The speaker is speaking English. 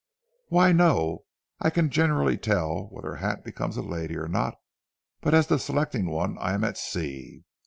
"'Why, no, I can generally tell whether a hat becomes a lady or not, but as to selecting one I am at sea.